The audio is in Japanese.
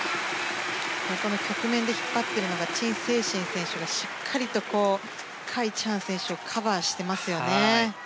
この局面で引っ張っているのがチン・セイシン選手がしっかりとカ・イチハン選手をカバーしてますよね。